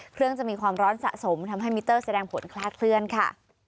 จะมีความร้อนสะสมทำให้มิเตอร์แสดงผลคลาดเคลื่อนค่ะ